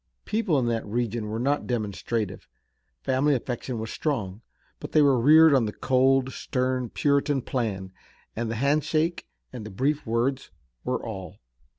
People in that region were not demonstrative. Family affection was strong, but they were reared on the old, stern Puritan plan, and the handshake and the brief words were all.